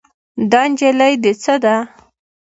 دا نجلۍ دې څه ده؟